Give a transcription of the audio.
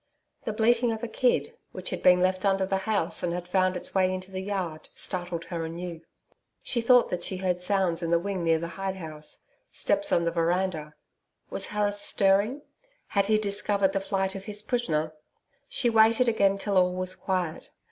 The bleating of a kid, which had been left under the house and had found its way into the yard, startled her anew. She thought that she heard sounds in the wing near the hide house steps on the veranda. Was Harris stirring? Had he discovered the flight of his prisoner? She waited again till all was quiet.